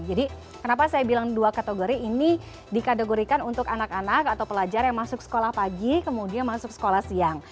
jadi kenapa saya bilang dua kategori ini dikategorikan untuk anak anak atau pelajar yang masuk sekolah pagi kemudian masuk sekolah siang